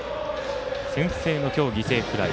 先制の今日、犠牲フライ。